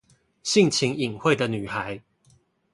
性情穎慧的女孩